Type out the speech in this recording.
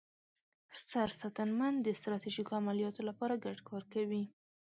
سرساتنمن د ستراتیژیکو عملیاتو لپاره ګډ کار کوي.